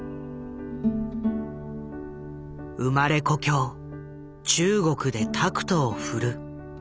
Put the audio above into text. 生まれ故郷中国でタクトを振る。